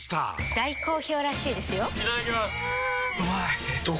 大好評らしいですよんうまい！